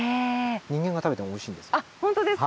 人間が食べてもおいしいんですよ。